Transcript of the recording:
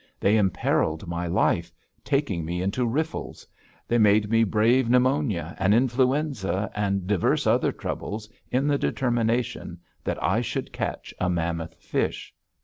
They imperiled my life, taking me into riffles; they made me brave pneumonia and influenza and divers other troubles in the determination that I should catch a mammoth fish.